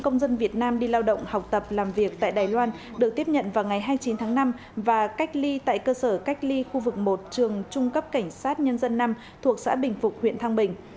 công dân việt nam đi lao động học tập làm việc tại đài loan được tiếp nhận vào ngày hai mươi chín tháng năm và cách ly tại cơ sở cách ly khu vực một trường trung cấp cảnh sát nhân dân năm thuộc xã bình phục huyện thăng bình